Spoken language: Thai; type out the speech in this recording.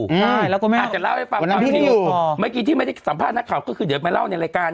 ใช่แล้วก็แม่ว่าคุณแม่ว่าคุณแม่ว่าอาจจะเล่าให้ฟัง